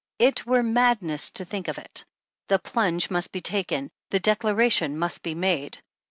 It were madness to think of it. The plunge must be taken, the declaration must be made.